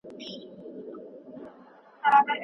ابن کثير په خپل تفسير کي څه ليکلي دي؟